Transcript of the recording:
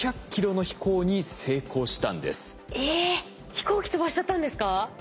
飛行機飛ばしちゃったんですか？